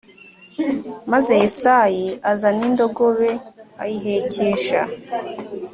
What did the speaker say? maze yesayi azana indogobe ayihekesha